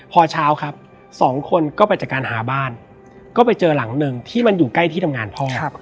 พอเช้าครับสองคนก็ไปจัดการหาบ้านก็ไปเจอหลังหนึ่งที่มันอยู่ใกล้ที่ทำงานพ่อ